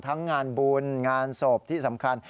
งานบุญงานศพที่สำคัญ